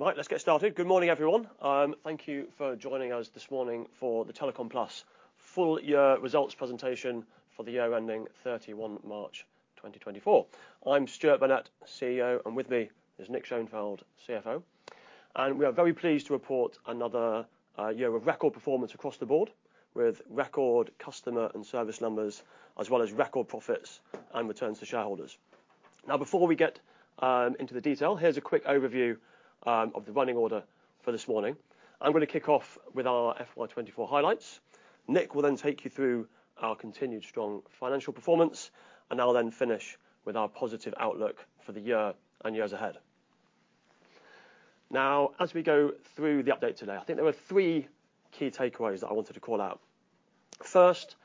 Right, let's get started. Good morning, everyone. Thank you for joining us this morning for the Telecom Plus full-year results presentation for the year ending 31 March 2024. I'm Stuart Burnett, CEO, and with me is Nick Schoenfeld, CFO. We are very pleased to report another year of record performance across the board, with record customer and service numbers, as well as record profits and returns to shareholders. Now, before we get into the detail, here's a quick overview of the running order for this morning. I'm gonna kick off with our FY 2024 highlights. Nick will then take you through our continued strong financial performance, and I'll then finish with our positive outlook for the year and years ahead. Now, as we go through the update today, I think there were three key takeaways that I wanted to call out. First,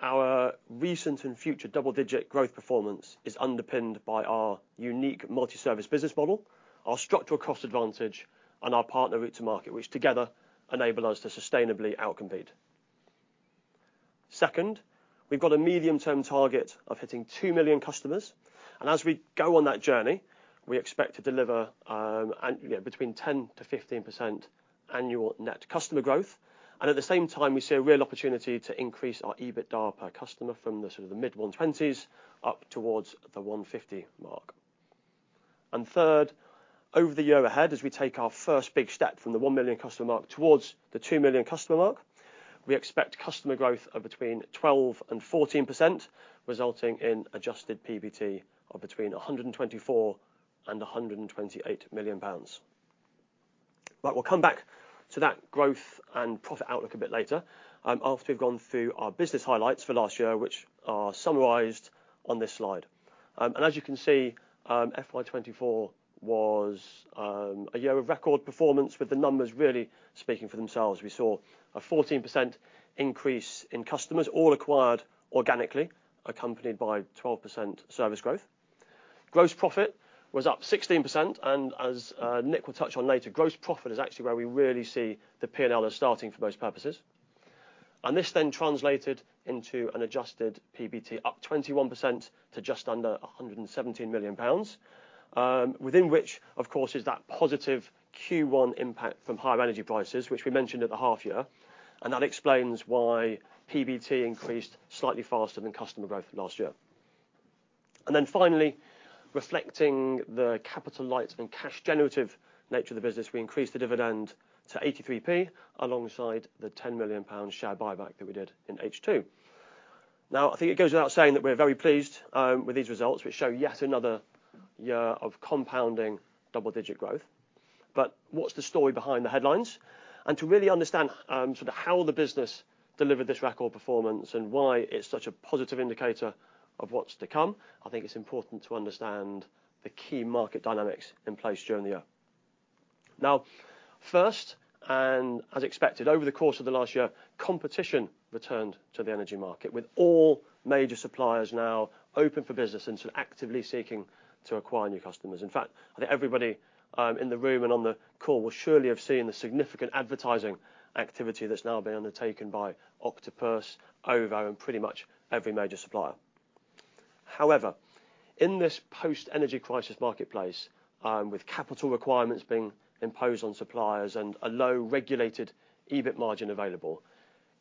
our recent and future double-digit growth performance is underpinned by our unique multi-service business model, our structural cost advantage, and our partner route to market, which together enable us to sustainably outcompete. Second, we've got a medium-term target of hitting 2 million customers. And as we go on that journey, we expect to deliver, annually between 10%-15% annual net customer growth. And at the same time, we see a real opportunity to increase our EBITDA per customer from the sort of the mid-120s up towards the 150 mark. And third, over the year ahead, as we take our first big step from the 1 million customer mark towards the 2 million customer mark, we expect customer growth of between 12%-14%, resulting in adjusted PBT of between 124 million and 128 million pounds. Right, we'll come back to that growth and profit outlook a bit later, after we've gone through our business highlights for last year, which are summarized on this slide. And as you can see, FY 2024 was a year of record performance, with the numbers really speaking for themselves. We saw a 14% increase in customers, all acquired organically, accompanied by 12% service growth. Gross profit was up 16%. And as Nick will touch on later, gross profit is actually where we really see the P&L is starting for most purposes. And this then translated into an Adjusted PBT up 21% to just under 117 million pounds, within which, of course, is that positive Q1 impact from higher energy prices, which we mentioned at the half-year. And that explains why PBT increased slightly faster than customer growth last year. And then finally, reflecting the capital light and cash-generative nature of the business, we increased the dividend to 0.83 alongside the 10 million pound share buyback that we did in H2. Now, I think it goes without saying that we're very pleased with these results, which show yet another year of compounding double-digit growth. But what's the story behind the headlines? And to really understand sort of how the business delivered this record performance and why it's such a positive indicator of what's to come, I think it's important to understand the key market dynamics in place during the year. Now, first, and as expected, over the course of the last year, competition returned to the energy market, with all major suppliers now open for business and sort of actively seeking to acquire new customers. In fact, I think everybody in the room and on the call will surely have seen the significant advertising activity that's now been undertaken by Octopus, OVO, and pretty much every major supplier. However, in this post-energy crisis marketplace, with capital requirements being imposed on suppliers and a low regulated EBIT margin available,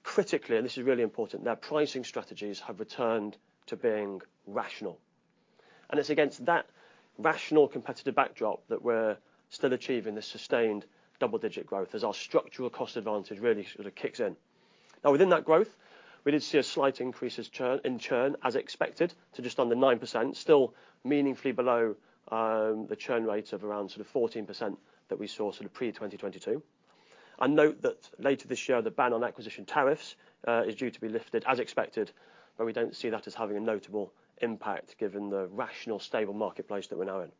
critically, and this is really important, their pricing strategies have returned to being rational. It's against that rational competitive backdrop that we're still achieving this sustained double-digit growth as our structural cost advantage really sort of kicks in. Now, within that growth, we did see a slight increase in churn, as expected, to just under 9%, still meaningfully below the churn rate of around sort of 14% that we saw sort of pre-2022. Note that later this year, the ban on acquisition tariffs is due to be lifted, as expected, but we don't see that as having a notable impact given the rational, stable marketplace that we're now in.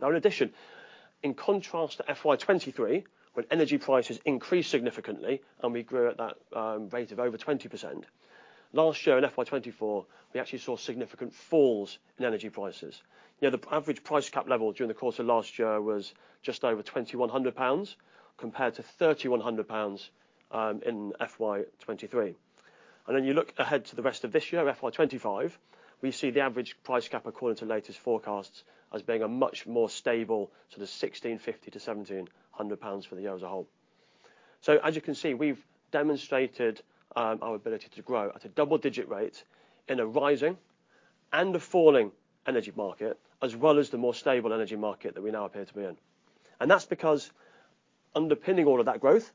Now, in addition, in contrast to FY 2023, when energy prices increased significantly and we grew at that rate of over 20%, last year in FY 2024, we actually saw significant falls in energy prices. You know, the average price cap level during the course of last year was just over 2,100 pounds compared to 3,100 pounds in FY 2023. Then you look ahead to the rest of this year, FY 2025, we see the average price cap, according to latest forecasts, as being a much more stable sort of 1,650-1,700 pounds for the year as a whole. So, as you can see, we've demonstrated our ability to grow at a double-digit rate in a rising and a falling energy market, as well as the more stable energy market that we now appear to be in. And that's because underpinning all of that growth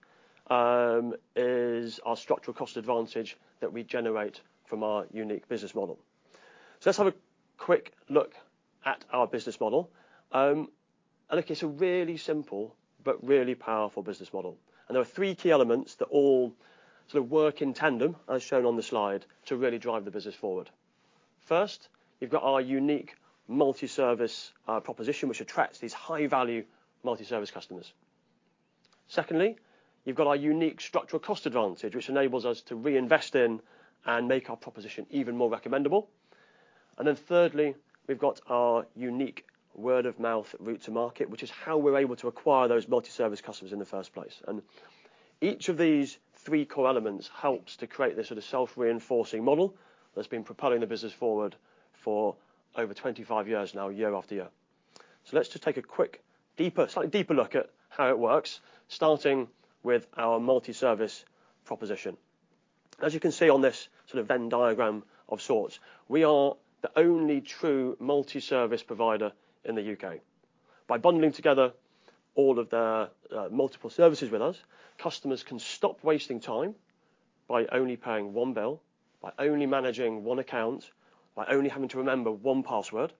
is our structural cost advantage that we generate from our unique business model. So let's have a quick look at our business model. And look, it's a really simple but really powerful business model. And there are three key elements that all sort of work in tandem, as shown on the slide, to really drive the business forward. First, you've got our unique multi-service proposition, which attracts these high-value multi-service customers. Secondly, you've got our unique structural cost advantage, which enables us to reinvest in and make our proposition even more recommendable. Then thirdly, we've got our unique word-of-mouth route to market, which is how we're able to acquire those multi-service customers in the first place. Each of these three core elements helps to create this sort of self-reinforcing model that's been propelling the business forward for over 25 years now, year after year. Let's just take a quick, deeper, slightly deeper look at how it works, starting with our multi-service proposition. As you can see on this sort of Venn diagram of sorts, we are the only true multi-service provider in the U.K.. By bundling together all of their, multiple services with us, customers can stop wasting time by only paying one bill, by only managing one account, by only having to remember one password,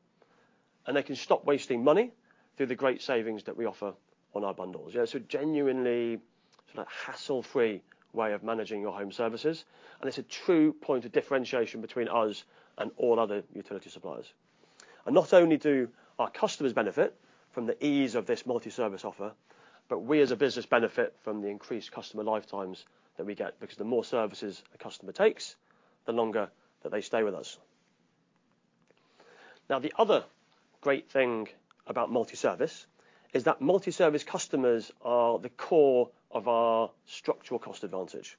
and they can stop wasting money through the great savings that we offer on our bundles. Yeah, it's a genuinely sort of hassle-free way of managing your home services. It's a true point of differentiation between us and all other utility suppliers. Not only do our customers benefit from the ease of this multi-service offer, but we as a business benefit from the increased customer lifetimes that we get, because the more services a customer takes, the longer that they stay with us. Now, the other great thing about multi-service is that multi-service customers are the core of our structural cost advantage.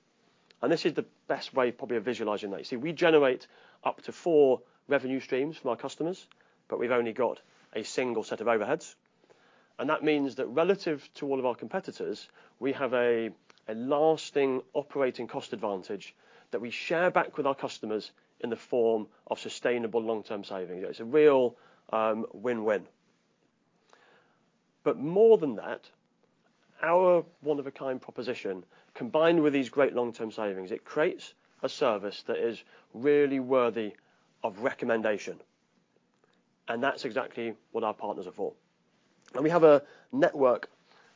This is the best way probably of visualizing that. You see, we generate up to four revenue streams from our customers, but we've only got a single set of overheads. That means that relative to all of our competitors, we have a lasting operating cost advantage that we share back with our customers in the form of sustainable long-term savings. It's a real, win-win. But more than that, our one-of-a-kind proposition, combined with these great long-term savings, creates a service that is really worthy of recommendation. That's exactly what our partners are for. We have a network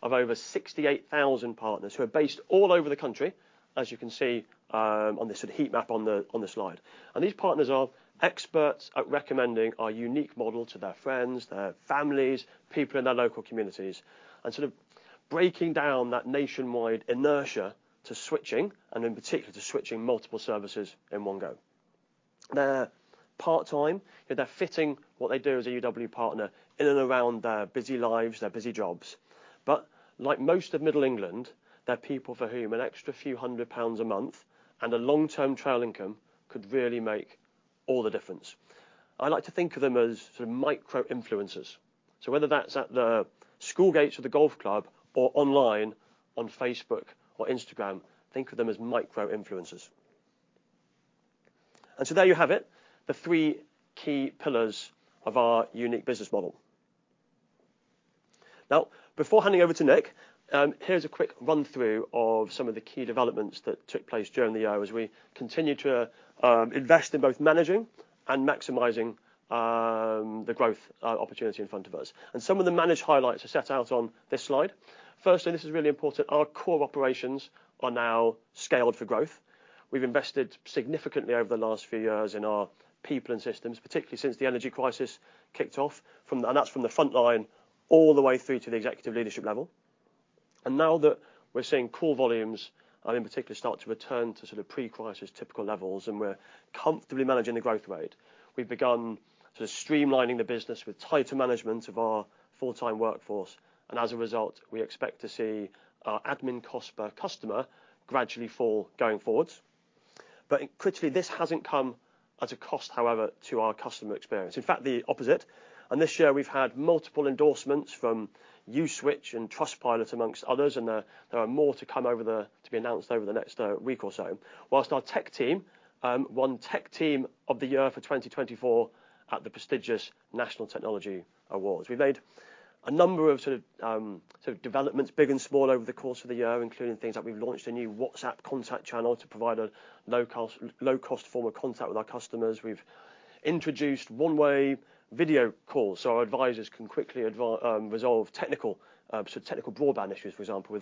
of over 68,000 partners who are based all over the country, as you can see, on this sort of heat map on the slide. These partners are experts at recommending our unique model to their friends, their families, people in their local communities, and sort of breaking down that nationwide inertia to switching, and in particular, to switching multiple services in one go. They're part-time. You know, they're fitting what they do as a UW partner in and around their busy lives, their busy jobs. But like most of Middle England, they're people for whom an extra few hundred GBP a month and a long-term trail income could really make all the difference. I like to think of them as sort of micro-influencers. So whether that's at the school gates of the golf club or online on Facebook or Instagram, think of them as micro-influencers. And so there you have it, the three key pillars of our unique business model. Now, before handing over to Nick, here's a quick run-through of some of the key developments that took place during the year as we continue to invest in both managing and maximizing the growth opportunity in front of us. And some of the managed highlights are set out on this slide. Firstly, this is really important. Our core operations are now scaled for growth. We've invested significantly over the last few years in our people and systems, particularly since the energy crisis kicked off, from the front line all the way through to the executive leadership level. And now that we're seeing core volumes, in particular, start to return to sort of pre-crisis typical levels, and we're comfortably managing the growth rate, we've begun sort of streamlining the business with tighter management of our full-time workforce. And as a result, we expect to see our admin cost per customer gradually fall going forward. But critically, this hasn't come as a cost, however, to our customer experience. In fact, the opposite. And this year, we've had multiple endorsements from Uswitch and Trustpilot, among others, and there are more to come over the to be announced over the next week or so, while our tech team won Tech Team of the Year for 2024 at the prestigious National Technology Awards. We've made a number of sort of developments, big and small, over the course of the year, including things like we've launched a new WhatsApp contact channel to provide a low-cost form of contact with our customers. We've introduced one-way video calls so our advisors can quickly resolve technical broadband issues, for example,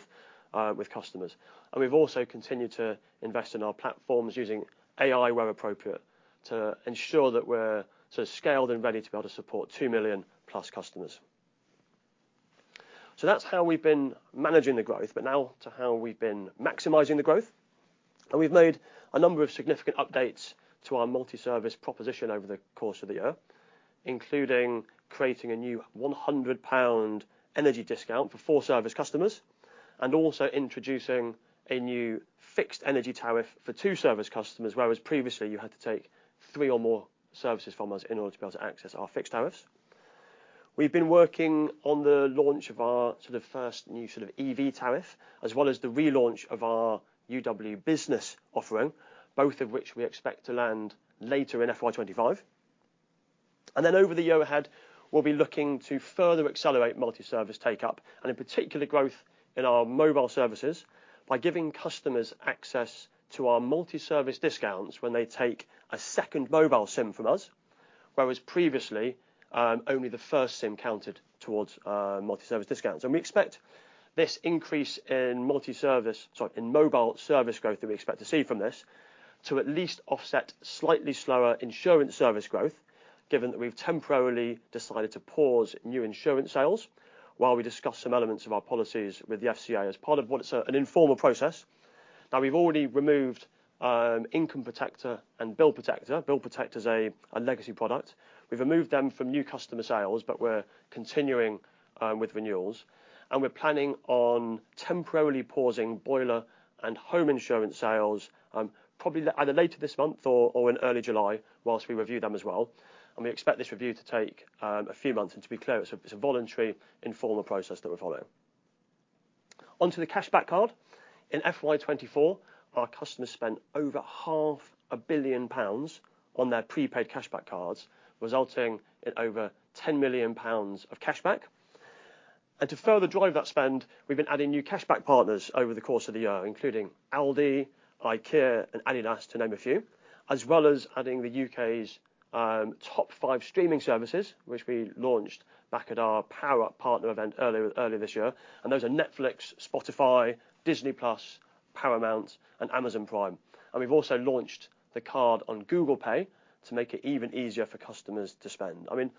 with customers. And we've also continued to invest in our platforms using AI where appropriate to ensure that we're sort of scaled and ready to be able to support 2 million+ customers. So that's how we've been managing the growth, but now to how we've been maximizing the growth. We've made a number of significant updates to our multi-service proposition over the course of the year, including creating a new 100 pound energy discount for four service customers and also introducing a new fixed energy tariff for two service customers, whereas previously you had to take three or more services from us in order to be able to access our fixed tariffs. We've been working on the launch of our sort of first new sort of EV tariff, as well as the relaunch of our UW business offering, both of which we expect to land later in FY 2025. Then over the year ahead, we'll be looking to further accelerate multi-service take-up and, in particular, growth in our mobile services by giving customers access to our multi-service discounts when they take a second mobile SIM from us, whereas previously, only the first SIM counted towards multi-service discounts. We expect this increase in multi-service, sorry, in mobile service growth that we expect to see from this to at least offset slightly slower insurance service growth, given that we've temporarily decided to pause new insurance sales while we discuss some elements of our policies with the FCA as part of what's an informal process. Now, we've already removed Income Protector and Bill Protector. Bill Protector's a legacy product. We've removed them from new customer sales, but we're continuing with renewals. We're planning on temporarily pausing boiler and home insurance sales, probably at the end of this month or in early July while we review them as well. We expect this review to take a few months. To be clear, it's a voluntary informal process that we're following. Onto the cashback card. In FY 2024, our customers spent over 500 million pounds on their prepaid cashback cards, resulting in over 10 million pounds of cashback. To further drive that spend, we've been adding new cashback partners over the course of the year, including Aldi, IKEA, and Adidas, to name a few, as well as adding the U.K.'s top five streaming services, which we launched back at our Power Up Partner event earlier this year. Those are Netflix, Spotify, Disney+, Paramount, and Amazon Prime. And we've also launched the card on Google Pay to make it even easier for customers to spend. I mean,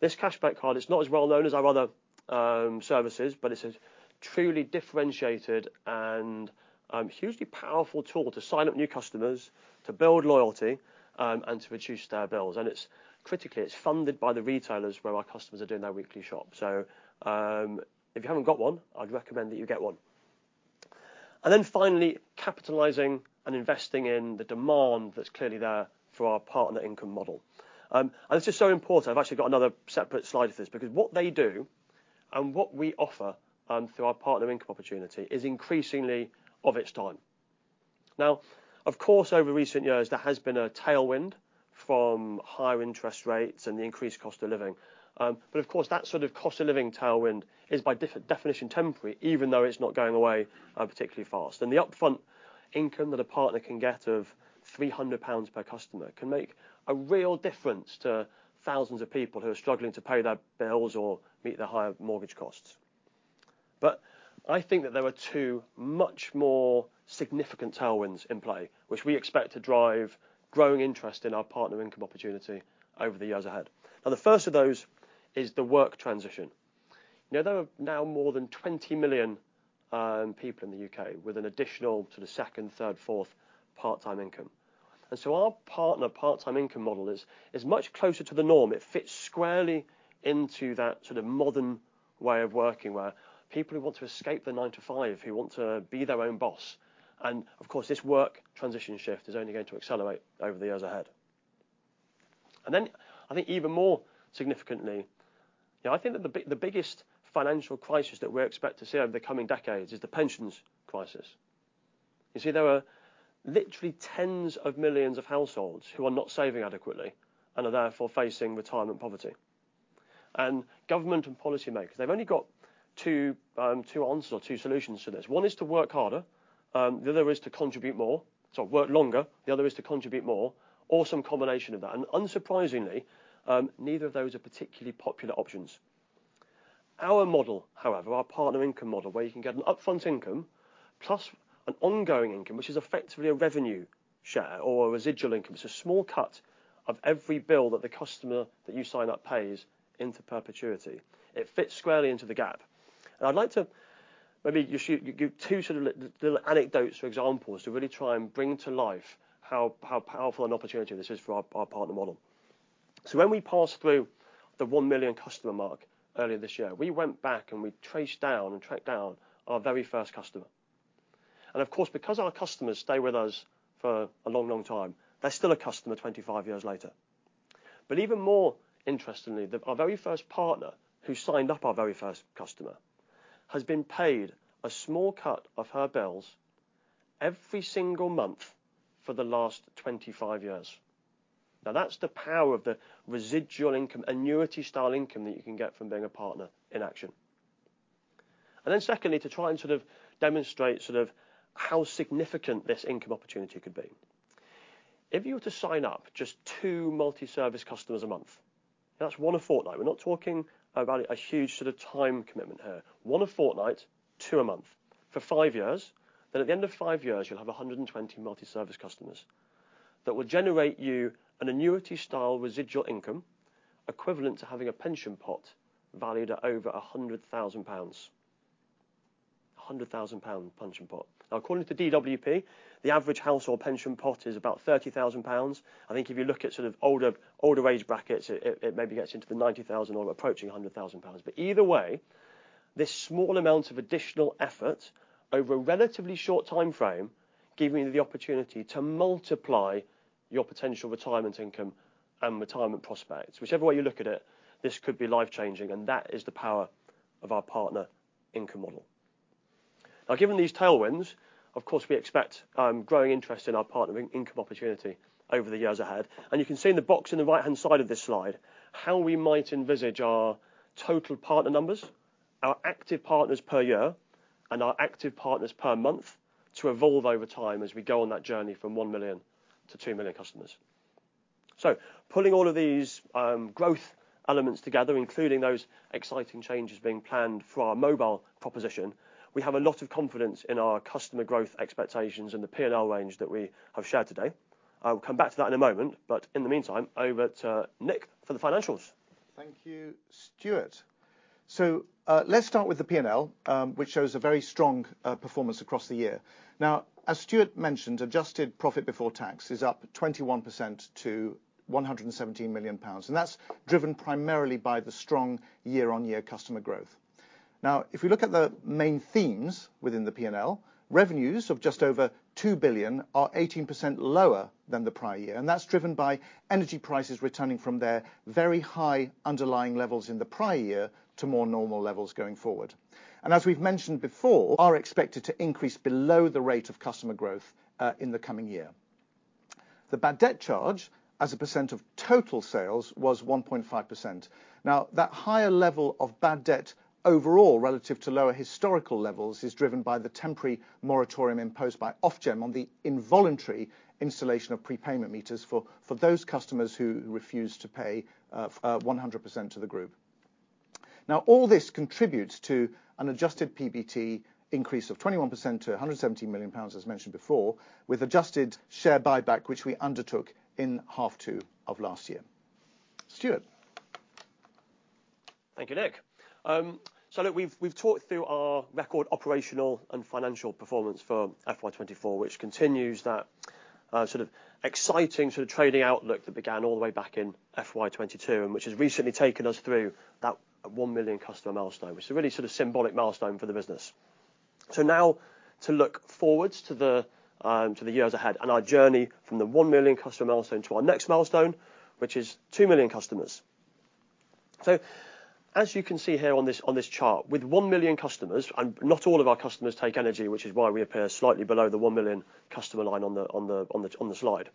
this cashback card, it's not as well known as our other services, but it's a truly differentiated and hugely powerful tool to sign up new customers, to build loyalty, and to reduce their bills. And it's critical, it's funded by the retailers where our customers are doing their weekly shop. So, if you haven't got one, I'd recommend that you get one. And then finally, capitalizing and investing in the demand that's clearly there for our partner income model. And this is so important. I've actually got another separate slide of this because what they do and what we offer, through our partner income opportunity is increasingly of its time. Now, of course, over recent years, there has been a tailwind from higher interest rates and the increased cost of living. But of course, that sort of cost of living tailwind is by definition temporary, even though it's not going away, particularly fast. And the upfront income that a partner can get of 300 pounds per customer can make a real difference to thousands of people who are struggling to pay their bills or meet their higher mortgage costs. But I think that there are two much more significant tailwinds in play, which we expect to drive growing interest in our partner income opportunity over the years ahead. Now, the first of those is the work transition. You know, there are now more than 20 million people in the U.K. with an additional sort of second, third, fourth part-time income. Our partner part-time income model is much closer to the norm. It fits squarely into that sort of modern way of working where people who want to escape the 9:00 A.M. to 5:00 P.M., who want to be their own boss. Of course, this work transition shift is only going to accelerate over the years ahead. Then I think even more significantly, you know, I think that the big, the biggest financial crisis that we expect to see over the coming decades is the pensions crisis. You see, there are literally tens of millions of households who are not saving adequately and are therefore facing retirement poverty. Government and policymakers, they've only got two answers or two solutions to this. One is to work harder. The other is to contribute more. Sorry, work longer. The other is to contribute more or some combination of that. Unsurprisingly, neither of those are particularly popular options. Our model, however, our partner income model, where you can get an upfront income plus an ongoing income, which is effectively a revenue share or a residual income, it's a small cut of every bill that the customer that you sign up pays into perpetuity. It fits squarely into the gap. I'd like to maybe just give two sort of little anecdotes or examples to really try and bring to life how, how powerful an opportunity this is for our, our partner model. When we passed through the 1 million customer mark earlier this year, we went back and we traced down and tracked down our very first customer. And of course, because our customers stay with us for a long, long time, they're still a customer 25 years later. But even more interestingly, our very first partner who signed up our very first customer has been paid a small cut of her bills every single month for the last 25 years. Now, that's the power of the residual income, annuity-style income that you can get from being a partner in action. And then secondly, to try and sort of demonstrate sort of how significant this income opportunity could be. If you were to sign up just two multi-service customers a month, that's One a fortnight. We're not talking about a huge sort of time commitment here. One a fortnight, two a month for five years. Then at the end of five years, you'll have 120 multi-service customers that will generate you an annuity-style residual income equivalent to having a pension pot valued at over 100,000 pounds, 100,000-pound pension pot. Now, according to DWP, the average household pension pot is about 30,000 pounds. I think if you look at sort of older age brackets, it maybe gets into the 90,000 or approaching 100,000 pounds. But either way, this small amount of additional effort over a relatively short time frame gives you the opportunity to multiply your potential retirement income and retirement prospects. Whichever way you look at it, this could be life-changing. And that is the power of our partner income model. Now, given these tailwinds, of course, we expect growing interest in our partner income opportunity over the years ahead. You can see in the box on the right-hand side of this slide how we might envisage our total partner numbers, our active partners per year, and our active partners per month to evolve over time as we go on that journey from 1 million to 2 million customers. Pulling all of these growth elements together, including those exciting changes being planned for our mobile proposition, we have a lot of confidence in our customer growth expectations and the P&L range that we have shared today. I'll come back to that in a moment. In the meantime, over to Nick for the financials. Thank you, Stuart. So, let's start with the P&L, which shows a very strong performance across the year. Now, as Stuart mentioned, adjusted profit before tax is up 21% to 117 million pounds. That's driven primarily by the strong year-on-year customer growth. Now, if we look at the main themes within the P&L, revenues of just over 2 billion are 18% lower than the prior year. That's driven by energy prices returning from their very high underlying levels in the prior year to more normal levels going forward. As we've mentioned before, are expected to increase below the rate of customer growth, in the coming year. The bad debt charge as a percent of total sales was 1.5%. Now, that higher level of bad debt overall relative to lower historical levels is driven by the temporary moratorium imposed by Ofgem on the involuntary installation of prepayment meters for those customers who refuse to pay, 100% to the group. Now, all this contributes to an adjusted PBT increase of 21% to 117 million pounds, as mentioned before, with adjusted share buyback, which we undertook in half two of last year. Stuart. Thank you, Nick. So look, we've talked through our record operational and financial performance for FY 2024, which continues that sort of exciting trading outlook that began all the way back in FY 2022 and which has recently taken us through that 1 million customer milestone, which is a really sort of symbolic milestone for the business. So now to look forward to the years ahead and our journey from the 1 million customer milestone to our next milestone, which is 2 million customers. So as you can see here on this chart, with 1 million customers, and not all of our customers take energy, which is why we appear slightly below the 1 million customer line on the slide,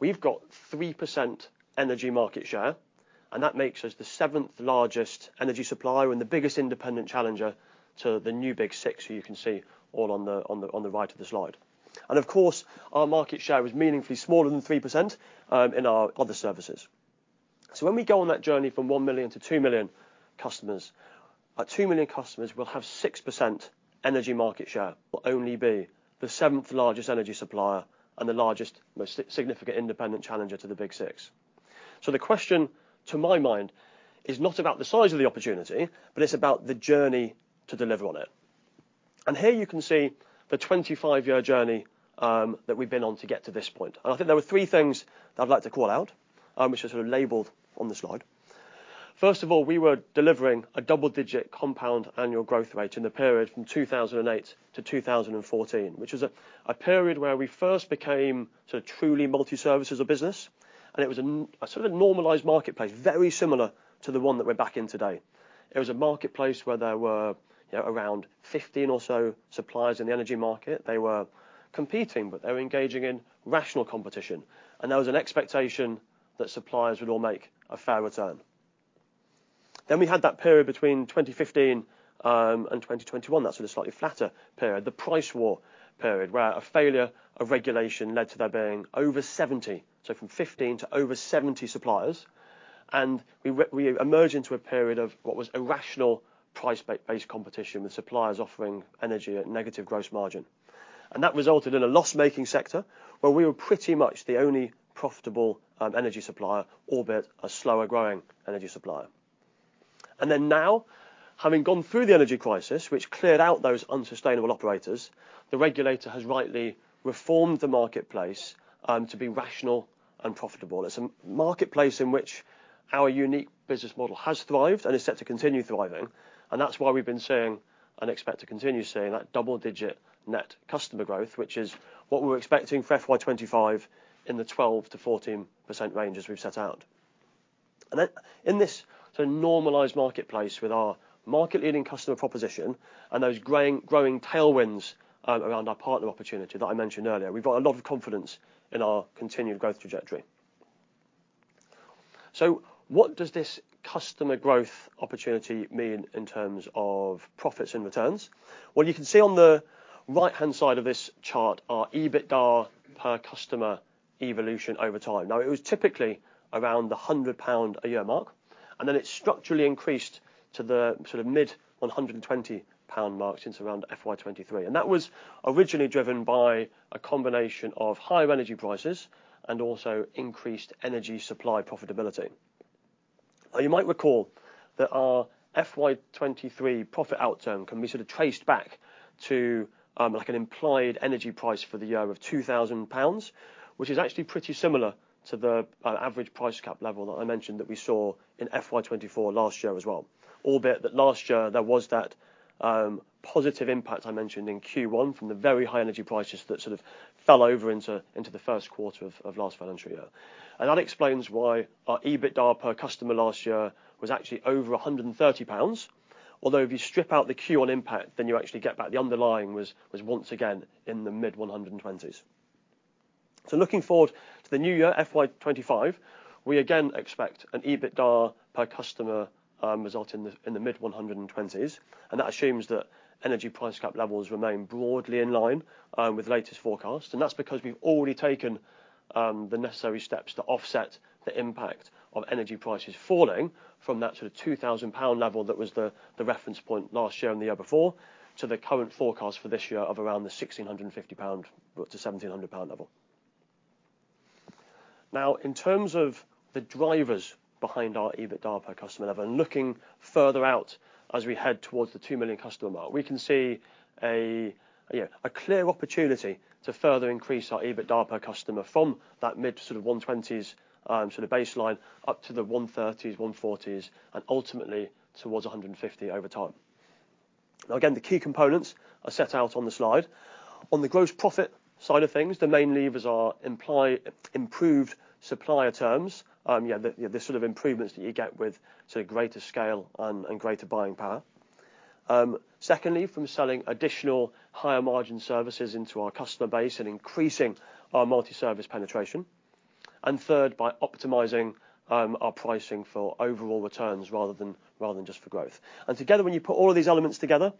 we've got 3% energy market share. That makes us the seventh largest energy supplier and the biggest independent challenger to the new Big Six, who you can see all on the right of the slide. Of course, our market share is meaningfully smaller than 3% in our other services. When we go on that journey from 1 million to 2 million customers, 2 million customers will have 6% energy market share. Only be the seventh largest energy supplier and the largest, most significant independent challenger to the Big Six. The question to my mind is not about the size of the opportunity, but it's about the journey to deliver on it. Here you can see the 25-year journey that we've been on to get to this point. And I think there were three things that I'd like to call out, which are sort of labeled on the slide. First of all, we were delivering a double-digit compound annual growth rate in the period from 2008 to 2014, which was a period where we first became sort of truly multi-service business. And it was a sort of normalized marketplace, very similar to the one that we're back in today. It was a marketplace where there were, you know, around 15 or so suppliers in the energy market. They were competing, but they were engaging in rational competition. And there was an expectation that suppliers would all make a fair return. Then we had that period between 2015 and 2021, that sort of slightly flatter period, the price war period, where a failure of regulation led to there being over 70, so from 15 to over 70 suppliers. And we emerged into a period of what was irrational price-based competition with suppliers offering energy at negative gross margin. And that resulted in a loss-making sector where we were pretty much the only profitable energy supplier, albeit a slower-growing energy supplier. And then now, having gone through the energy crisis, which cleared out those unsustainable operators, the regulator has rightly reformed the marketplace to be rational and profitable. It's a marketplace in which our unique business model has thrived and is set to continue thriving. And that's why we've been seeing and expect to continue seeing that double-digit net customer growth, which is what we were expecting for FY 2025 in the 12%-14% range as we've set out. And then in this sort of normalized marketplace with our market-leading customer proposition and those growing, growing tailwinds, around our partner opportunity that I mentioned earlier, we've got a lot of confidence in our continued growth trajectory. So what does this customer growth opportunity mean in terms of profits and returns? Well, you can see on the right-hand side of this chart our EBITDA per customer evolution over time. Now, it was typically around the 100 pound a year mark. And then it structurally increased to the sort of mid-GBP 120 marks into around FY 2023. And that was originally driven by a combination of higher energy prices and also increased energy supply profitability. Now, you might recall that our FY 2023 profit outcome can be sort of traced back to, like an implied energy price for the year of 2,000 pounds, which is actually pretty similar to the average price cap level that I mentioned that we saw in FY 2024 last year as well. Albeit that last year there was that positive impact I mentioned in Q1 from the very high energy prices that sort of fell over into the first quarter of last financial year. And that explains why our EBITDA per customer last year was actually over 130 pounds. Although if you strip out the Q1 impact, then you actually get back the underlying was once again in the mid-120s. So looking forward to the new year, FY 2025, we again expect an EBITDA per customer resulting in the mid-120s. That assumes that energy price cap levels remain broadly in line with the latest forecast. That's because we've already taken the necessary steps to offset the impact of energy prices falling from that sort of 2,000-pound level that was the reference point last year and the year before to the current forecast for this year of around the 1,650-1,700-pound level. Now, in terms of the drivers behind our EBITDA per customer level and looking further out as we head towards the 2 million customer mark, we can see, you know, a clear opportunity to further increase our EBITDA per customer from that mid sort of 120s, sort of baseline up to the 130s, 140s, and ultimately towards 150 over time. Now, again, the key components are set out on the slide. On the gross profit side of things, the main levers are implied improved supplier terms, you know, you know, the sort of improvements that you get with sort of greater scale and greater buying power. Secondly, from selling additional higher-margin services into our customer base and increasing our multi-service penetration. Third, by optimizing our pricing for overall returns rather than just for growth. Together, when you put all of these elements together,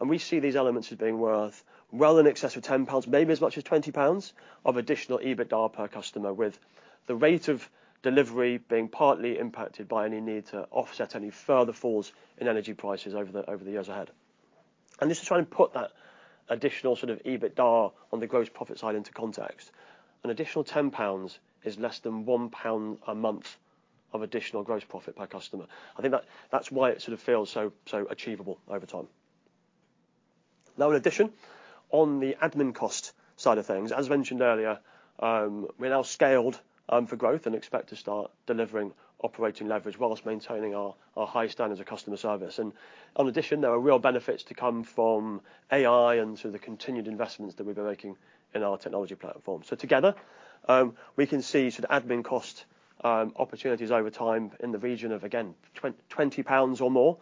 and we see these elements as being worth well in excess of 10 pounds, maybe as much as 20 pounds of additional EBITDA per customer, with the rate of delivery being partly impacted by any need to offset any further falls in energy prices over the years ahead. This is trying to put that additional sort of EBITDA on the gross profit side into context. An additional 10 pounds is less than 1 pound a month of additional gross profit per customer. I think that that's why it sort of feels so, so achievable over time. Now, in addition, on the admin cost side of things, as mentioned earlier, we're now scaled for growth and expect to start delivering operating leverage while maintaining our, our high standards of customer service. In addition, there are real benefits to come from AI and sort of the continued investments that we've been making in our technology platform. So together, we can see sort of admin cost opportunities over time in the region of, again, 20 pounds or more,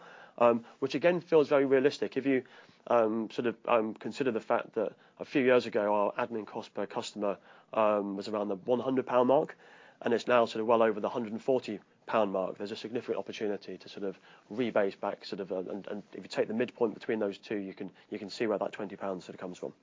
which again feels very realistic if you, sort of, consider the fact that a few years ago our admin cost per customer was around the 100 pound mark. It's now sort of well over the 140 pound mark. There's a significant opportunity to sort of rebate back sort of, and if you take the midpoint between those two, you can see where that 20 pounds sort of comes from.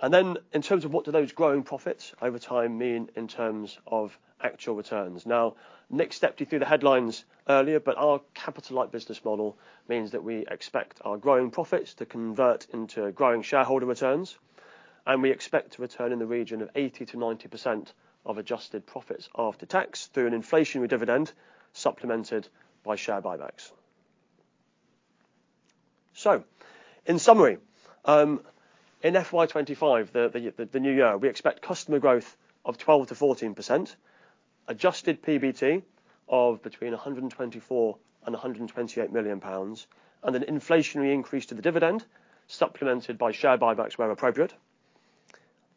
And then in terms of what do those growing profits over time mean in terms of actual returns? Now, Nick stepped you through the headlines earlier, but our capital-light business model means that we expect our growing profits to convert into growing shareholder returns. And we expect to return in the region of 80%-90% of adjusted profits after tax through an inflationary dividend supplemented by share buybacks. So in summary, in FY 2025, the new year, we expect customer growth of 12%-14%, adjusted PBT of between 124 million and 128 million pounds, and an inflationary increase to the dividend supplemented by share buybacks where appropriate.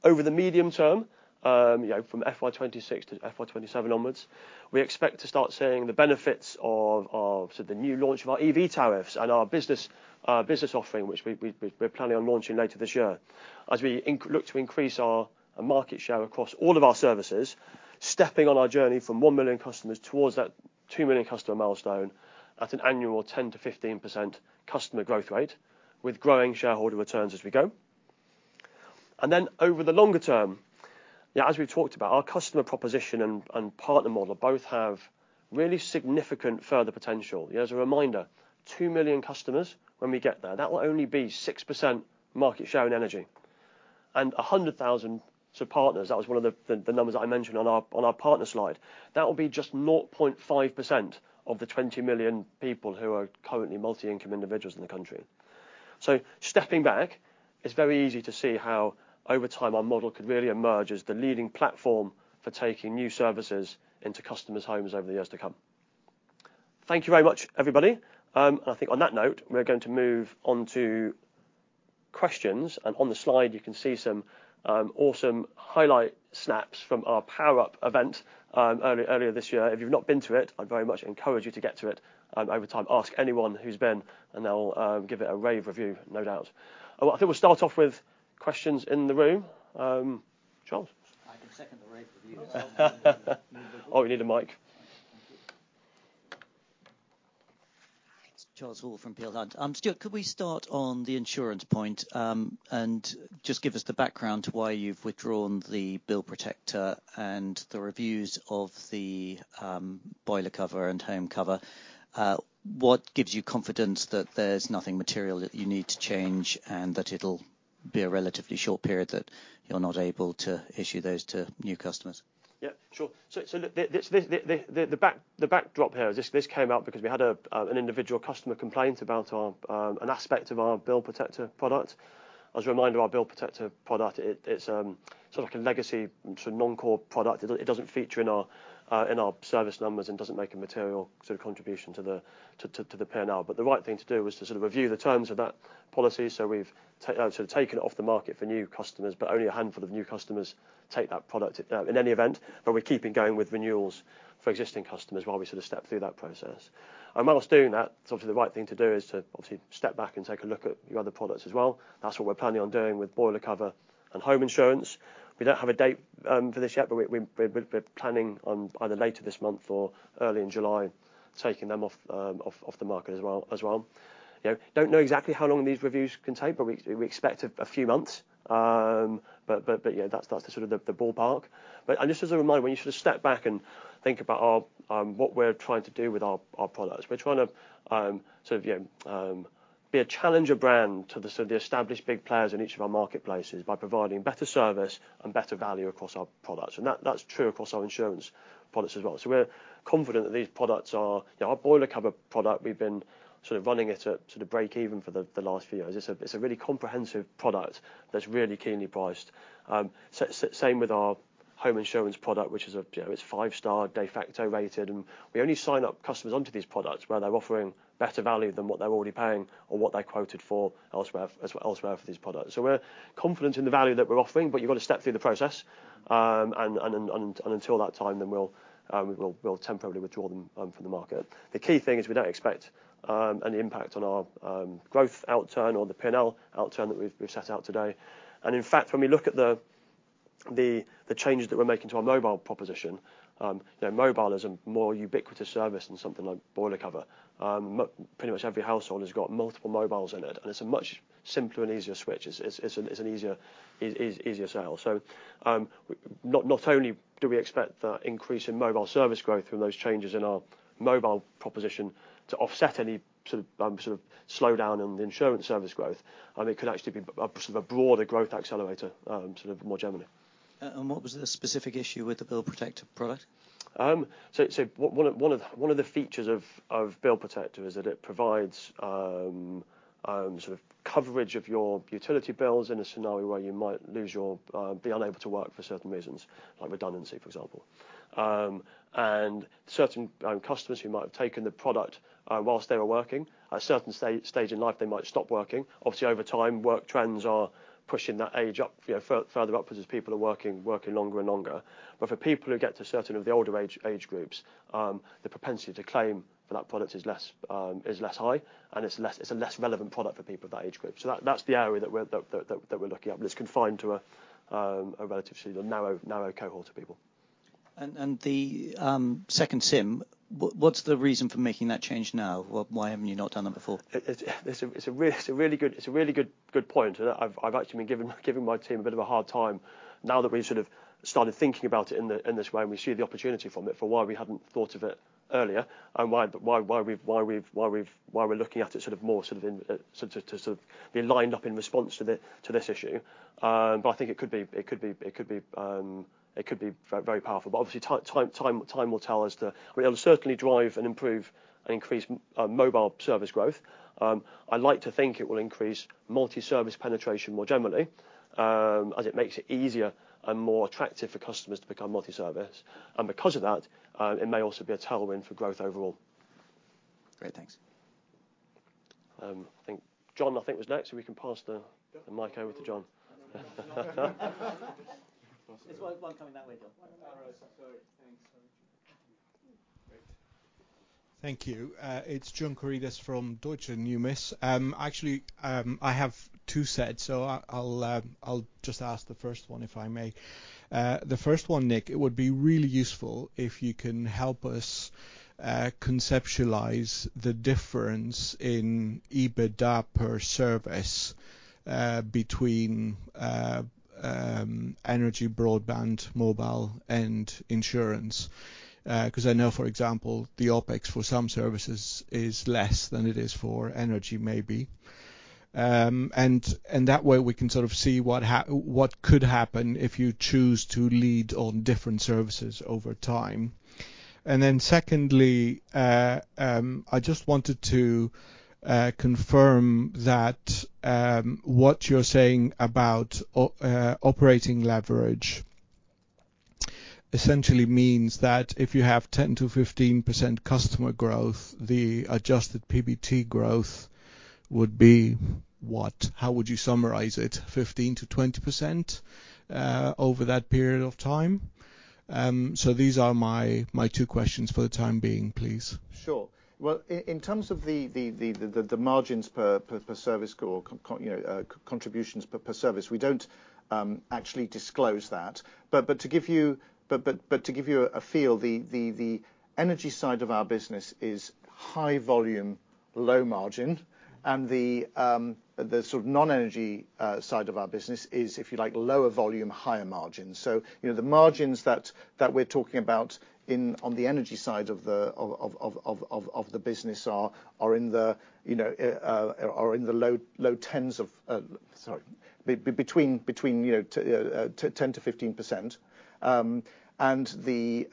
Over the medium term, you know, from FY 2026 to FY 2027 onwards, we expect to start seeing the benefits of sort of the new launch of our EV tariffs and our business offering, which we're planning on launching later this year as we look to increase our market share across all of our services, stepping on our journey from 1 million customers towards that 2 million customer milestone at an annual 10%-15% customer growth rate with growing shareholder returns as we go. Then over the longer term, you know, as we've talked about, our customer proposition and partner model both have really significant further potential. You know, as a reminder, 2 million customers, when we get there, that will only be 6% market share in energy. And 100,000 sort of partners, that was one of the numbers that I mentioned on our partner slide, that will be just 0.5% of the 20 million people who are currently multi-income individuals in the country. So stepping back, it's very easy to see how over time our model could really emerge as the leading platform for taking new services into customers' homes over the years to come. Thank you very much, everybody. I think on that note, we're going to move on to questions. And on the slide, you can see some awesome highlight snaps from our Power Up event, earlier this year. If you've not been to it, I'd very much encourage you to get to it, over time. Ask anyone who's been, and they'll give it a rave review, no doubt. Oh, I think we'll start off with questions in the room. Charles. I can second the rave review. Oh, we need a mic. Thank you. It's Charles Hall from Peel Hunt. Stuart, could we start on the insurance point, and just give us the background to why you've withdrawn the Bill Protector and the reviews of the boiler cover and home cover? What gives you confidence that there's nothing material that you need to change and that it'll be a relatively short period that you're not able to issue those to new customers? Yeah, sure. So look, the backdrop here is this came out because we had an individual customer complaint about an aspect of our Bill Protector product. As a reminder, our Bill Protector product, it's sort of like a legacy sort of non-core product. It doesn't feature in our service numbers and doesn't make a material sort of contribution to the P&L. But the right thing to do was to sort of review the terms of that policy. So we've taken it off the market for new customers, but only a handful of new customers take that product, in any event. But we're keeping going with renewals for existing customers while we sort of step through that process. While doing that, it's obviously the right thing to do is to obviously step back and take a look at your other products as well. That's what we're planning on doing with boiler cover and home insurance. We don't have a date for this yet, but we're planning on either later this month or early in July taking them off the market as well. You know, don't know exactly how long these reviews can take, but we expect a few months. But yeah, that's the sort of ballpark. Just as a reminder, when you sort of step back and think about what we're trying to do with our products, we're trying to, sort of, you know, be a challenger brand to the sort of established big players in each of our marketplaces by providing better service and better value across our products. And that's true across our insurance products as well. So we're confident that these products are, you know, our boiler cover product. We've been sort of running it at sort of break-even for the last few years. It's a really comprehensive product that's really keenly priced. Same with our home insurance product, which is, you know, five-star Defaqto rated. And we only sign up customers onto these products where they're offering better value than what they're already paying or what they're quoted for elsewhere as well for these products. So we're confident in the value that we're offering, but you've got to step through the process. And until that time, then we'll temporarily withdraw them from the market. The key thing is we don't expect any impact on our growth outturn or the P&L outturn that we've set out today. And in fact, when we look at the changes that we're making to our mobile proposition, you know, mobile is a more ubiquitous service than something like boiler cover. Pretty much every household has got multiple mobiles in it. And it's a much simpler and easier switch. It's an easier sale. So, not only do we expect the increase in mobile service growth from those changes in our mobile proposition to offset any sort of slowdown in the insurance service growth, it could actually be a sort of a broader growth accelerator, sort of more generally. What was the specific issue with the Bill Protector product? So, one of the features of Bill Protector is that it provides sort of coverage of your utility bills in a scenario where you might lose your, be unable to work for certain reasons, like redundancy, for example. Certain customers who might have taken the product, while they were working, at a certain stage in life, they might stop working. Obviously, over time, work trends are pushing that age up, you know, further up as people are working longer and longer. But for people who get to certain of the older age groups, the propensity to claim for that product is less high. And it's a less relevant product for people of that age group. So that's the area that we're looking at. But it's confined to a relatively narrow cohort of people. And the second SIM, what's the reason for making that change now? What, why haven't you not done that before? It's a really good point. And I've actually been giving my team a bit of a hard time now that we've sort of started thinking about it in this way. And we see the opportunity from it for why we hadn't thought of it earlier. And why we've been looking at it sort of more in response to this issue. But I think it could be very powerful. But obviously, time will tell as to, I mean, it'll certainly drive and improve and increase mobile service growth. I like to think it will increase multi-service penetration more generally, as it makes it easier and more attractive for customers to become multi-service. Because of that, it may also be a tailwind for growth overall. Great. Thanks. I think John was next. So we can pass the mic over to John. It's one coming that way, John. Thanks. Thank you. It's John Karidis from Deutsche Numis. Actually, I have two sets, so I'll just ask the first one, if I may. The first one, Nick, it would be really useful if you can help us conceptualize the difference in EBITDA per service, between energy, broadband, mobile, and insurance. Because I know, for example, the OpEx for some services is less than it is for energy, maybe. And that way we can sort of see what could happen if you choose to lead on different services over time. And then secondly, I just wanted to confirm that what you're saying about operating leverage essentially means that if you have 10%-15% customer growth, the adjusted PBT growth would be what? How would you summarize it? 15%-20%, over that period of time? These are my two questions for the time being, please. Sure. Well, in terms of the margins per service or, you know, contributions per service, we don't actually disclose that. But to give you a feel, the energy side of our business is high volume, low margin. And the sort of non-energy side of our business is, if you like, lower volume, higher margin. So, you know, the margins that we're talking about on the energy side of the business are, you know, in the low tens of, sorry, between, you know, 10%-15%. And the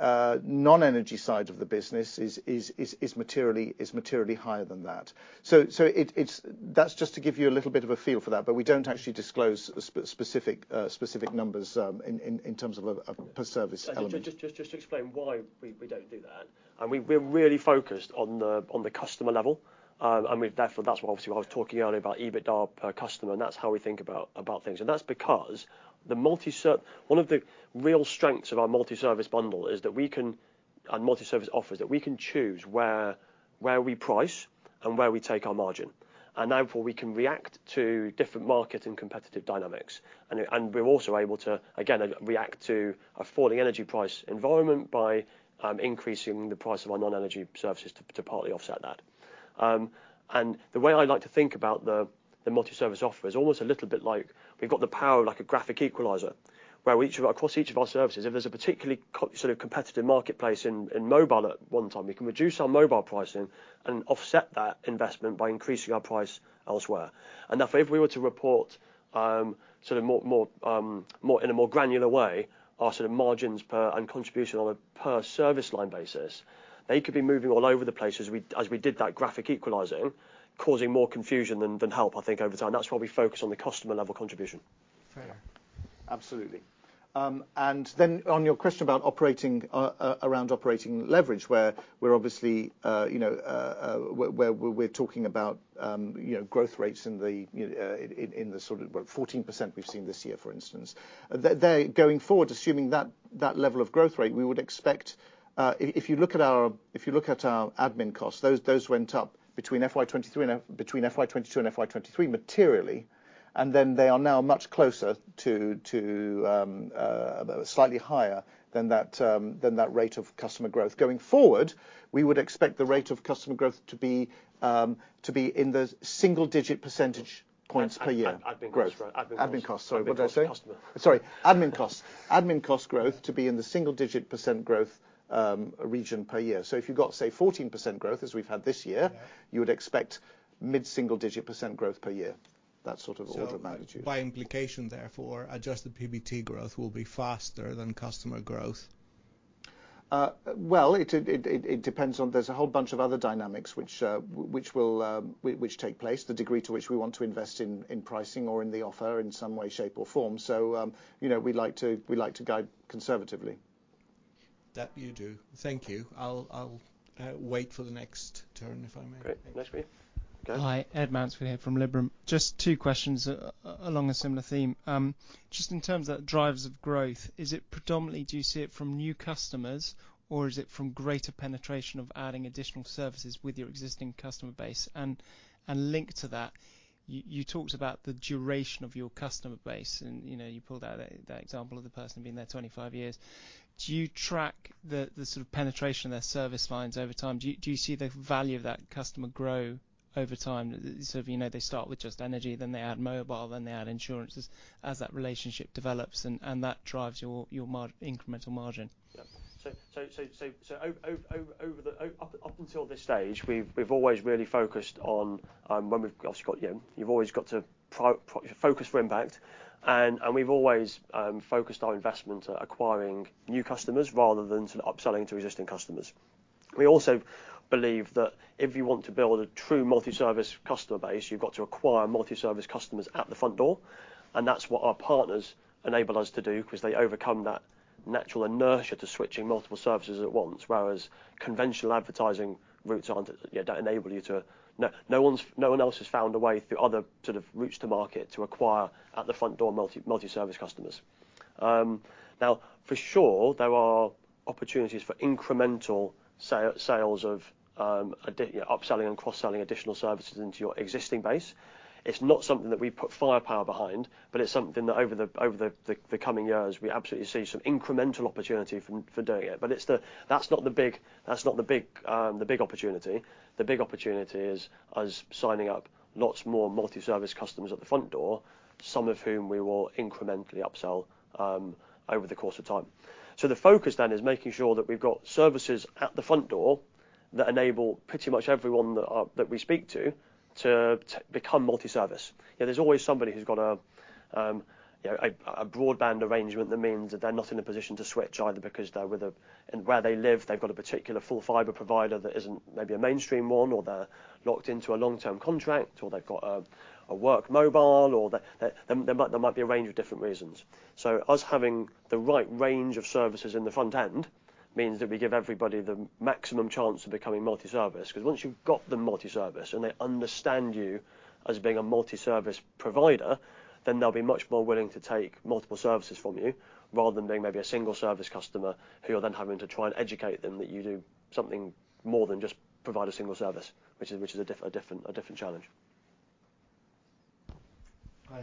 non-energy side of the business is materially higher than that. So, it's just to give you a little bit of a feel for that. But we don't actually disclose specific numbers in terms of a per service element. Just to explain why we don't do that. And we're really focused on the customer level. And we've therefore, that's why obviously I was talking earlier about EBITDA per customer. And that's how we think about things. And that's because one of the real strengths of our multi-service bundle is that our multi-service offers that we can choose where we price and where we take our margin. And therefore, we can react to different market and competitive dynamics. And we're also able to again react to a falling energy price environment by increasing the price of our non-energy services to partly offset that. The way I like to think about the multi-service offer is almost a little bit like we've got the power of like a graphic equalizer where across each of our services, if there's a particularly sort of competitive marketplace in mobile at one time, we can reduce our mobile pricing and offset that investment by increasing our price elsewhere. Therefore, if we were to report sort of more in a more granular way our sort of margins per and contribution on a per-service line basis, they could be moving all over the place as we did that graphic equalizing, causing more confusion than help, I think, over time. That's why we focus on the customer-level contribution. Fair. Absolutely. And then on your question about operating, around operating leverage, where we're obviously, you know, where we're talking about, you know, growth rates in the, you know, in the sort of 14% we've seen this year, for instance, there going forward, assuming that level of growth rate, we would expect, if you look at our, if you look at our admin costs, those went up between FY 2022 and FY 2023 materially. And then they are now much closer to, slightly higher than that rate of customer growth. Going forward, we would expect the rate of customer growth to be in the single-digit percentage points per year. Admin costs, right? Admin costs. Admin costs. Sorry. What did I say? Sorry. Admin costs. Admin cost growth to be in the single-digit percent growth range per year. So if you've got, say, 14% growth, as we've had this year, you would expect mid-single-digit percent growth per year. That sort of order of magnitude. By implication, therefore, adjusted PBT growth will be faster than customer growth? Well, it depends on there's a whole bunch of other dynamics which will take place, the degree to which we want to invest in pricing or in the offer in some way, shape, or form. So, you know, we like to guide conservatively. That you do. Thank you. I'll wait for the next turn, if I may. Great. Next for you. Hi. Ed Mansfield with you here from Liberum. Just two questions along a similar theme. Just in terms of drivers of growth, is it predominantly do you see it from new customers, or is it from greater penetration of adding additional services with your existing customer base? And linked to that, you talked about the duration of your customer base. And you know, you pulled out that example of the person being there 25 years. Do you track the sort of penetration of their service lines over time? Do you see the value of that customer grow over time? So if you know, they start with just energy, then they add mobile, then they add insurances, as that relationship develops, and that drives your marginal incremental margin? Yeah. So up until this stage, we've always really focused on, when we've obviously got, you know, you've always got to properly focus for impact. And we've always focused our investment to acquiring new customers rather than sort of upselling to existing customers. We also believe that if you want to build a true multi-service customer base, you've got to acquire multi-service customers at the front door. And that's what our partners enable us to do because they overcome that natural inertia to switching multiple services at once, whereas conventional advertising routes aren't, you know, don't enable you to. No one's, no one else has found a way through other sort of routes to market to acquire at the front door multi-service customers. Now, for sure, there are opportunities for incremental sales of additional, you know, upselling and cross-selling additional services into your existing base. It's not something that we put firepower behind, but it's something that over the coming years, we absolutely see some incremental opportunity for doing it. But that's not the big opportunity. The big opportunity is us signing up lots more multi-service customers at the front door, some of whom we will incrementally upsell over the course of time. So the focus then is making sure that we've got services at the front door that enable pretty much everyone that we speak to to become multi-service. You know, there's always somebody who's got a, you know, a broadband arrangement that means that they're not in a position to switch, either because they're with a, and where they live, they've got a particular full fiber provider that isn't maybe a mainstream one, or they're locked into a long-term contract, or they've got a work mobile, or there might be a range of different reasons. So us having the right range of services in the front end means that we give everybody the maximum chance of becoming multi-service. Because once you've got them multi-service and they understand you as being a multi-service provider, then they'll be much more willing to take multiple services from you rather than being maybe a single-service customer who you're then having to try and educate them that you do something more than just provide a single service, which is a different challenge. Hi.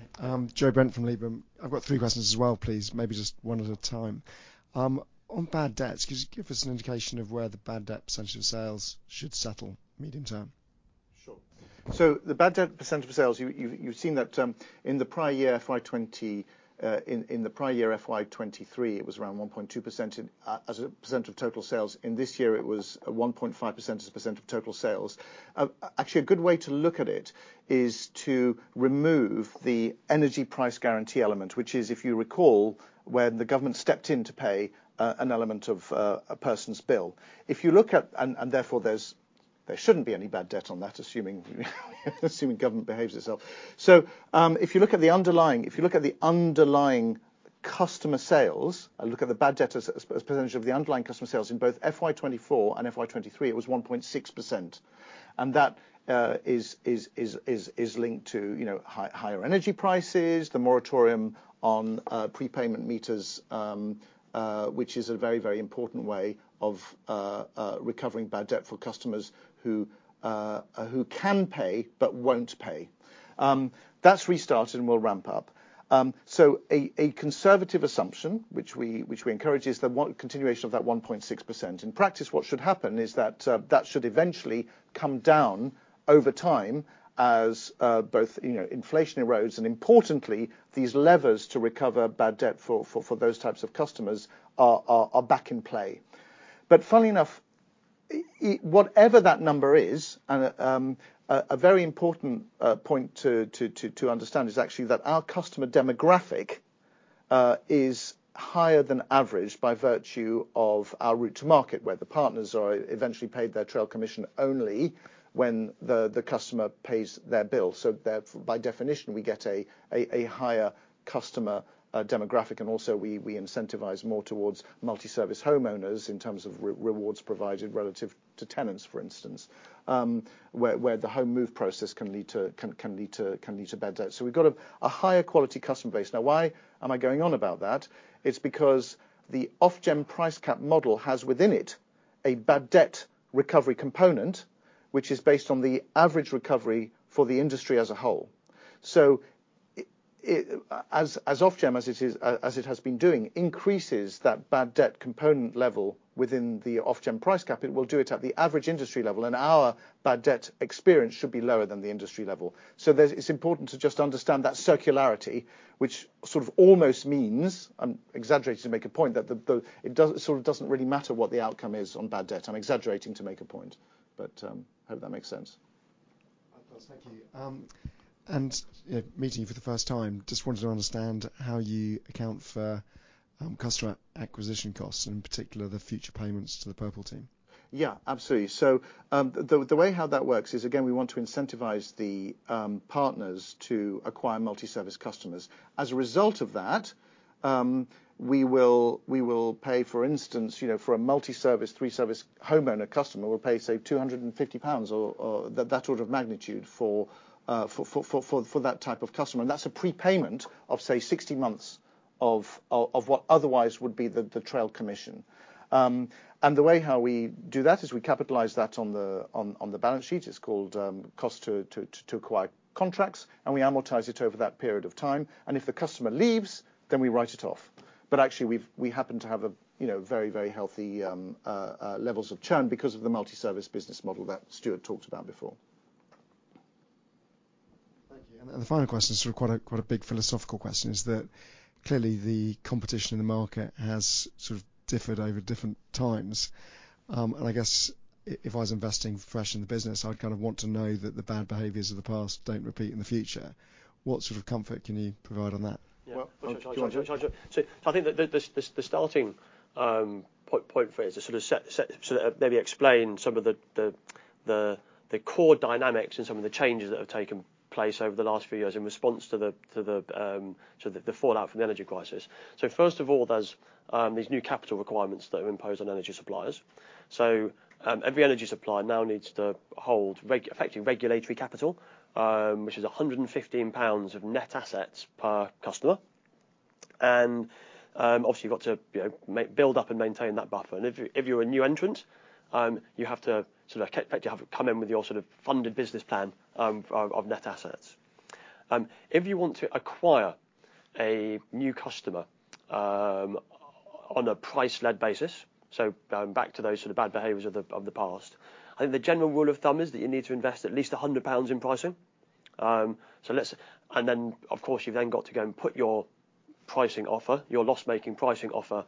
Joe Brent from Liberum. I've got three questions as well, please. Maybe just one at a time. On bad debts, could you give us an indication of where the bad debt percentage of sales should settle medium term? Sure. So the bad debt percentage of sales, you've seen that in the prior year FY 2020, in the prior year FY 2023, it was around 1.2% as a percent of total sales. In this year, it was a 1.5% as a percent of total sales. Actually, a good way to look at it is to remove the Energy Price Guarantee element, which is, if you recall, when the government stepped in to pay an element of a person's bill. If you look at and therefore there shouldn't be any bad debt on that, assuming government behaves itself. So, if you look at the underlying customer sales, I look at the bad debt as a percentage of the underlying customer sales in both FY 2024 and FY 2023, it was 1.6%. That is linked to, you know, higher energy prices, the moratorium on prepayment meters, which is a very, very important way of recovering bad debt for customers who can pay but won't pay. That's restarted and will ramp up. A conservative assumption, which we encourage, is the continuation of that 1.6%. In practice, what should happen is that should eventually come down over time as both, you know, inflation erodes. And importantly, these levers to recover bad debt for those types of customers are back in play. But funnily enough, whatever that number is, and a very important point to understand is actually that our customer demographic is higher than average by virtue of our route to market, where the partners are eventually paid their trail commission only when the customer pays their bill. So therefore, by definition, we get a higher customer demographic. And also, we incentivize more towards multi-service homeowners in terms of rewards provided relative to tenants, for instance, where the home move process can lead to bad debt. So we've got a higher quality customer base. Now, why am I going on about that? It's because the Ofgem price cap model has within it a bad debt recovery component, which is based on the average recovery for the industry as a whole. So as Ofgem as it is, as it has been doing, increases that bad debt component level within the Ofgem price cap. It will do it at the average industry level. Our bad debt experience should be lower than the industry level. So it's important to just understand that circularity, which sort of almost means, I'm exaggerating to make a point, that the it doesn't sort of really matter what the outcome is on bad debt. I'm exaggerating to make a point. Hope that makes sense. That does. Thank you. You know, meeting you for the first time, just wanted to understand how you account for customer acquisition costs, and in particular, the future payments to the Purple Team. Yeah. Absolutely. So, the way how that works is, again, we want to incentivize the partners to acquire multi-service customers. As a result of that, we will pay, for instance, you know, for a multi-service, three-service homeowner customer, we'll pay, say, 250 pounds or that sort of magnitude for that type of customer. And that's a prepayment of, say, 60 months of what otherwise would be the trail commission. And the way how we do that is we capitalize that on the balance sheet. It's called cost to acquire contracts. And we amortize it over that period of time. And if the customer leaves, then we write it off. But actually, we happen to have a, you know, very, very healthy levels of churn because of the multi-service business model that Stuart talked about before. Thank you. And the final question is sort of quite a big philosophical question, that clearly, the competition in the market has sort of differed over different times. And I guess if I was investing fresh in the business, I'd kind of want to know that the bad behaviors of the past don't repeat in the future. What sort of comfort can you provide on that? Yeah. Well, so I think that the starting point phrase is sort of set so that maybe explain some of the core dynamics and some of the changes that have taken place over the last few years in response to the fallout from the energy crisis. So first of all, there are these new capital requirements that are imposed on energy suppliers. So, every energy supplier now needs to hold effectively regulatory capital, which is 115 pounds of net assets per customer. And, obviously, you've got to, you know, build up and maintain that buffer. And if you're a new entrant, you have to sort of effectively have to come in with your sort of funded business plan of net assets. If you want to acquire a new customer, on a price-led basis, so, back to those sort of bad behaviors of the, of the past, I think the general rule of thumb is that you need to invest at least 100 pounds in pricing. So let's and then, of course, you've then got to go and put your pricing offer, your loss-making pricing offer,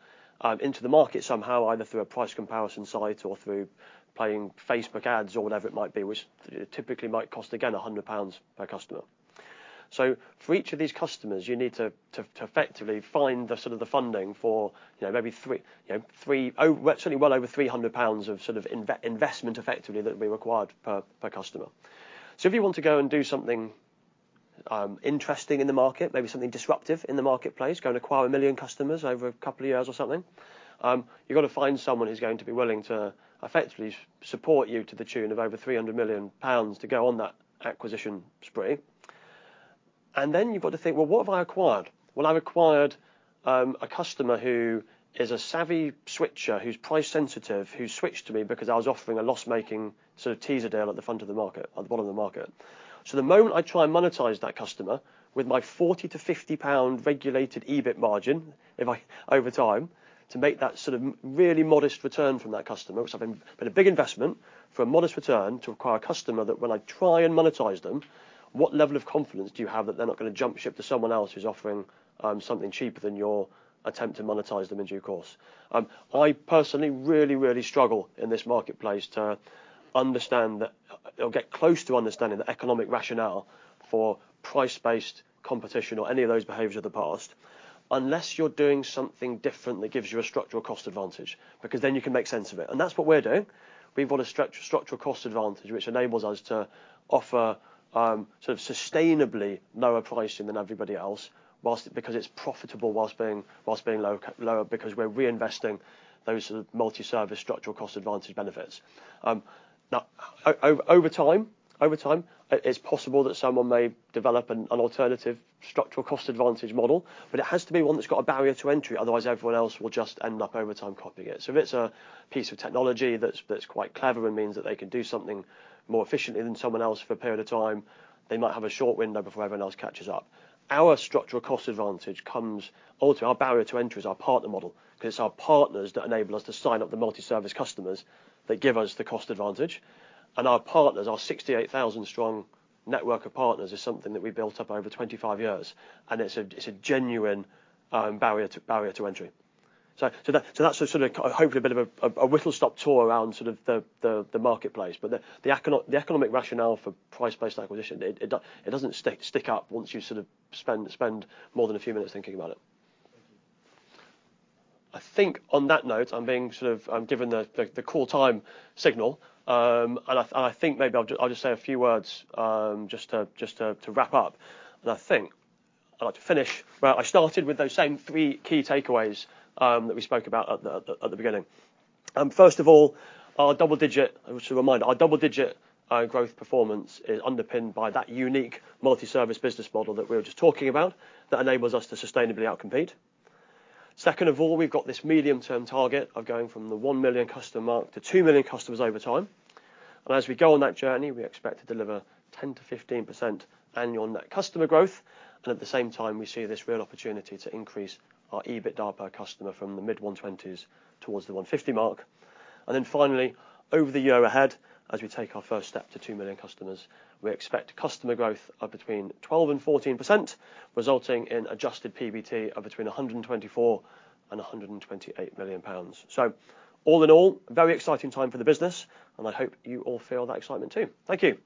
into the market somehow, either through a price comparison site or through playing Facebook ads or whatever it might be, which typically might cost, again, 100 pounds per customer. So for each of these customers, you need to effectively find the sort of the funding for, you know, maybe 3, you know, 300, certainly well over 300 pounds of sort of investment effectively that will be required per customer. So if you want to go and do something interesting in the market, maybe something disruptive in the marketplace, go and acquire 1 million customers over a couple of years or something, you've got to find someone who's going to be willing to effectively support you to the tune of over 300 million pounds to go on that acquisition spree. And then you've got to think, well, what have I acquired? Well, I've acquired a customer who is a savvy switcher who's price-sensitive, who switched to me because I was offering a loss-making sort of teaser deal at the front of the market, at the bottom of the market. So the moment I try and monetize that customer with my 40-50 pound regulated EBIT margin, if I over time, to make that sort of really modest return from that customer, which I've been a big investment for a modest return to acquire a customer that when I try and monetize them, what level of confidence do you have that they're not going to jump ship to someone else who's offering, something cheaper than your attempt to monetize them in due course? I personally really, really struggle in this marketplace to understand that or get close to understanding the economic rationale for price-based competition or any of those behaviors of the past, unless you're doing something different that gives you a structural cost advantage. Because then you can make sense of it. And that's what we're doing. We've got a structural cost advantage, which enables us to offer, sort of sustainably lower pricing than everybody else whilst because it's profitable whilst being, whilst being lower, lower because we're reinvesting those sort of multi-service structural cost advantage benefits. Now, over time, it's possible that someone may develop an alternative structural cost advantage model. But it has to be one that's got a barrier to entry. Otherwise, everyone else will just end up over time copying it. So if it's a piece of technology that's quite clever and means that they can do something more efficiently than someone else for a period of time, they might have a short window before everyone else catches up. Our structural cost advantage comes ultimately, our barrier to entry is our partner model. Because it's our partners that enable us to sign up the multi-service customers that give us the cost advantage. And our partners, our 68,000-strong network of partners, is something that we built up over 25 years. And it's a genuine barrier to entry. So that's sort of hopefully a bit of a whistle-stop tour around sort of the marketplace. But the economic rationale for price-based acquisition, it doesn't stack up once you sort of spend more than a few minutes thinking about it. Thank you. I think on that note, I'm being given the call time signal. And I think maybe I'll just say a few words, just to wrap up. And I think I'd like to finish. Well, I started with those same three key takeaways that we spoke about at the beginning. First of all, our double-digit growth performance is underpinned by that unique multi-service business model that we were just talking about that enables us to sustainably outcompete. Second of all, we've got this medium-term target of going from the 1 million customer mark to 2 million customers over time. And as we go on that journey, we expect to deliver 10%-15% annual net customer growth. At the same time, we see this real opportunity to increase our EBITDA per customer from the mid-GBP 120s towards the 150 mark. Then finally, over the year ahead, as we take our first step to 2 million customers, we expect customer growth of between 12% and 14%, resulting in adjusted PBT of between 124 million and 128 million pounds. All in all, very exciting time for the business. I hope you all feel that excitement too. Thank you.